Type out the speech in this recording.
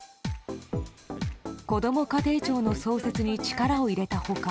こども家庭庁の創設に力を入れた他